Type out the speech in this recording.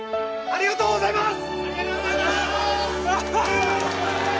ありがとうございます！